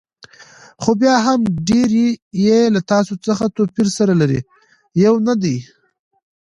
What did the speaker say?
خو بیا هم ډېری یې له تاسو څخه توپیر سره لري، یو نه دي.